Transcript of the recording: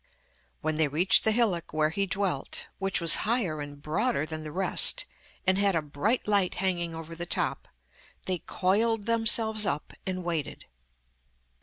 When they reached the hillock where he dwelt, which was higher and broader than the rest, and had a bright light hanging over the top, they coiled themselves up and waited.